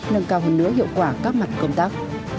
nâng cao hình nữa hiệu quả các mặt cơm tóc